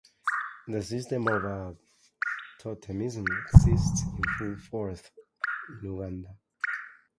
The system of totemism exists in full force in Uganda.